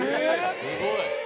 すごい！